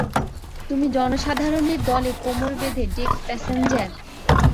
তুমি জনসাধারণের দলে, কোমর বেঁধে ডেক-প্যাসেঞ্জার।